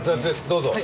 どうぞ。